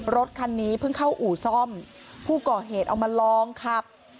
รถคันนี้เพิ่งเข้าอู่ซ่อมผู้ก่อเหตุเอามาลองขับ